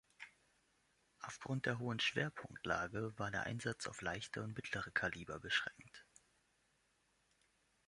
Aufgrund der hohen Schwerpunktlage war der Einsatz auf leichte und mittlere Kaliber beschränkt.